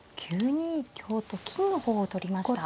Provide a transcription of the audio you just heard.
９二香と金の方を取りました。